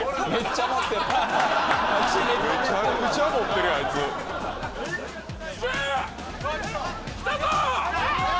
めちゃくちゃ持ってるやんあいつしゃあきたぞ！